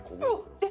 えっ？